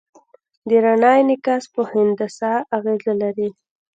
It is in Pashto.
د رڼا انعکاس په هندسه اغېز لري.